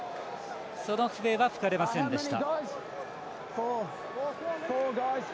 その笛は吹かれませんでした。